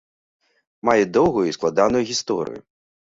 Мае доўгую і складаную гісторыю.